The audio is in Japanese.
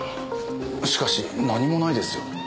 しかし何もないですよ。